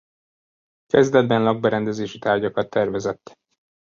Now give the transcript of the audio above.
Kezdetben lakberendezési tárgyakat tervezett.